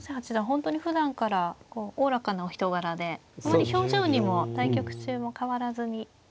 本当にふだんからおおらかなお人柄であまり表情にも対局中も変わらずに。